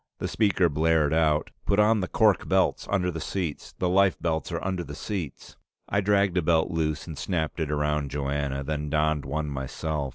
The speaker blared, "Put on the cork belts under the seats. The life belts are under the seats." I dragged a belt loose and snapped it around Joanna, then donned one myself.